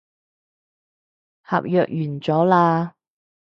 合約完咗喇